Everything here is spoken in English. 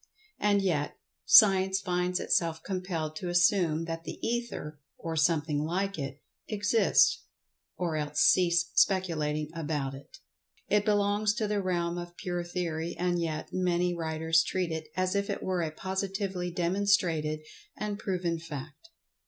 And yet, Science finds itself compelled to assume that the Ether, or "something like it" exists, or else cease speculating about it. It belongs to the realm of pure theory, and yet, many writers treat it as if it were a positively demonstrated and proven fact.